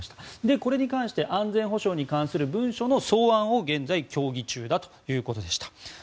これに関して、安全保障に関する文書の草案を現在、協議中だということです。